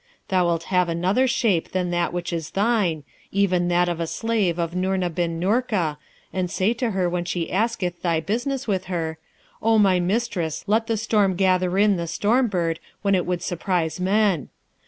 Thou'lt have another shape than that which is thine, even that of a slave of Noorna bin Noorka, and say to her when she asketh thy business with her, "O my mistress, let the storm gather in the storm bird when it would surprise men."